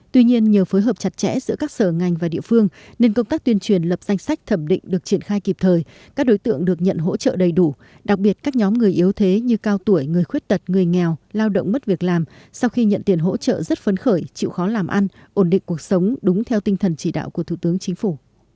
tuy nhiên nhờ phối hợp chặt chẽ giữa các sở ngành và địa phương nên công tác tuyên truyền lập danh sách thẩm định được triển khai kịp thời các đối tượng được nhận hỗ trợ đầy đủ đặc biệt các nhóm người yếu thế như cao tuổi người khuyết tật người nghèo lao động mất việc làm sau khi nhận tiền hỗ trợ rất phấn khởi chịu khó làm ăn ổn định cuộc sống đúng theo tinh thần chỉ đạo của thủ tướng chính phủ